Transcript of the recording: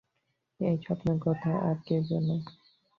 এই স্বপ্নের কথা আর কে জানে?